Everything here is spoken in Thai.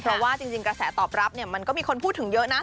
เพราะว่าจริงกระแสตอบรับเนี่ยมันก็มีคนพูดถึงเยอะนะ